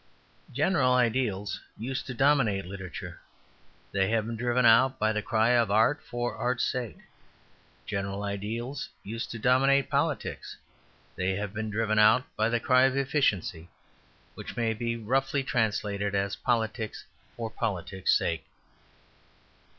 General ideals used to dominate literature. They have been driven out by the cry of "art for art's sake." General ideals used to dominate politics. They have been driven out by the cry of "efficiency," which may roughly be translated as "politics for politics' sake."